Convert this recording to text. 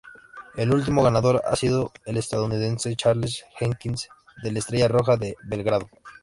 El último ganador ha sido el estadounidense Charles Jenkins, del Estrella Roja de Belgrado.